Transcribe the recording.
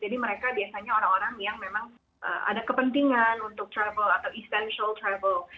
jadi mereka biasanya orang orang yang memang ada kepentingan untuk travel atau essential travel